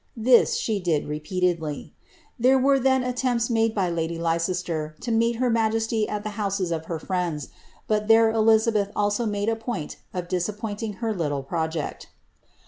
This she Uiil repeaiediy. There were 'bm altempia made by lady Leicesier lo meci hermnjealy at the houwatif her frjenda, but [here Elizabeih also made a poiitl of duappoiitung be[ little project.